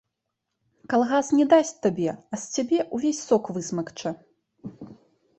Калгас не дасць табе, а з цябе ўвесь сок высмакча.